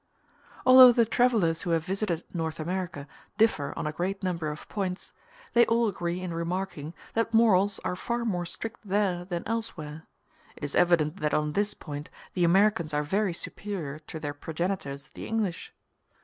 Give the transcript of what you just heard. Although the travellers who have visited North America differ on a great number of points, they all agree in remarking that morals are far more strict there than elsewhere. It is evident that on this point the Americans are very superior to their progenitors the English.